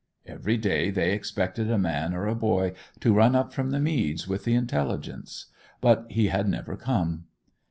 Every day they expected a man or a boy to run up from the meads with the intelligence; but he had never come.